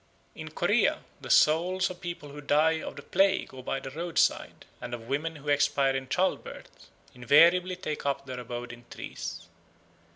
In Corea the souls of people who die of the plague or by the roadside, and of women who expire in childbirth, invariably take up their abode in trees.